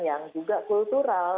yang juga kultural